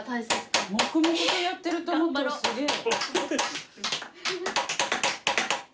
黙々とやってると思ったらすげえ。